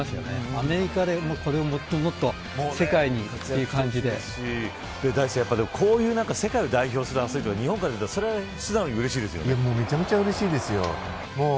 アメリカでこれをもっともっとこういう世界を代表するアスリートが日本から出るのめちゃめちゃうれしいですよ。